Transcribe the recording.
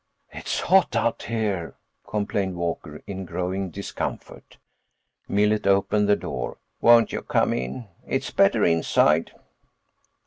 "It's hot out here," complained Walker, in growing discomfort. Millet opened the door. "Won't you come in? It's better inside."